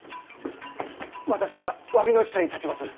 私が詫びの使者に立ちまする。